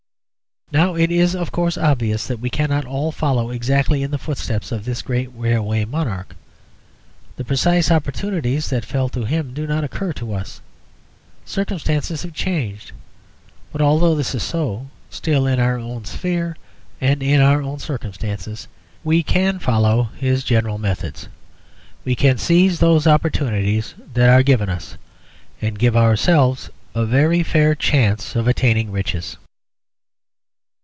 "Now it is, of course, obvious that we cannot all follow exactly in the footsteps of this great railway monarch. The precise opportunities that fell to him do not occur to us. Circumstances have changed. But, although this is so, still, in our own sphere and in our own circumstances, we can follow his general methods; we can seize those opportunities that are given us, and give ourselves a very fair chance of attaining riches."